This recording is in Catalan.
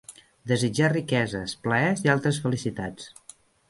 Desitjar riqueses, plaers i altres felicitats.